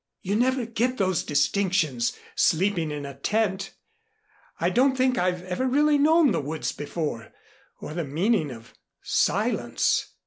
"You never get those distinctions sleeping in a tent. I don't think I've ever really known the woods before or the meaning of silence.